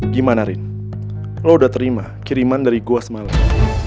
gimana rin lo udah terima kiriman dari gua semalam